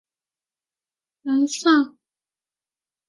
南萨默塞特是一个位于英格兰萨默塞特郡的非都市区。